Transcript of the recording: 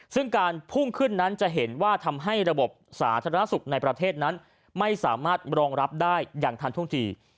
ซึ่งการพุ่งขึ้นนั้นจะเห็นว่าทำให้ระบบสาธารณสุขในประเทศนั้นไม่สามารถรองรับได้อย่างทันท่วงที